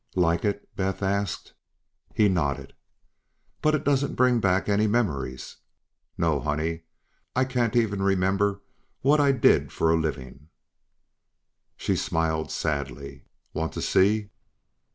"Like it?" Beth asked. He nodded. "But it doesn't bring back any memories?" "No. Hell, honey, I can't even remember what I did for a living." She smiled sadly. "Want to see?"